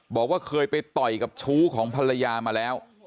บอกว่าเคยไปต่อยกับชู้ของภรรยามาแล้ว